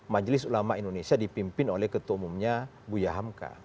majelis ulama indonesia dipimpin oleh ketua umumnya bu yahamka